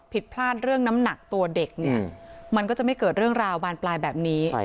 ผิดพลาดเรื่องน้ำหนักตัวเด็กเนี่ยมันก็จะไม่เกิดเรื่องราวบานปลายแบบนี้